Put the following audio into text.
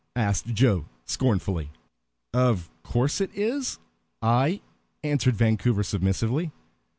asked Joe scornfully. "Of course it is I," answered Vancouver, submissively.